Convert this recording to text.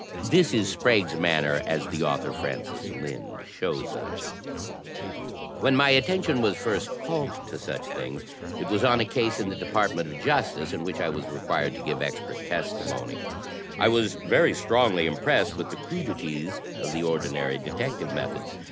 This is Sprague's manner as the author, Francis Lynde, shows us: "When my attention was first called to such things — ^it was on a case in the Department of Justice in which I was required to give expert testimony — I was very strongly impressed with the crudities of the ordinary detective methods.